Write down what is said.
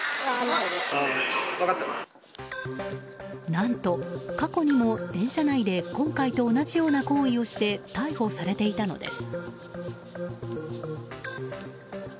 何と、過去にも電車内で今回と同じような行為をして逮捕されていたのです。